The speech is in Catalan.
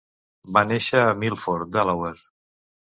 Va néixer a Milford, Delaware.